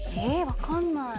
分かんない。